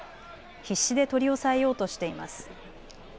必死で取り押さえようとしています。